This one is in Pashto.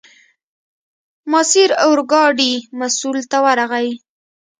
ماسیر اورګاډي مسوول ته ورغی.